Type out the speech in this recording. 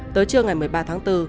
tới trưa ngày một mươi ba tháng bốn